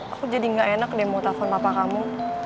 aku jadi gak enak deh mau telepon papa kamu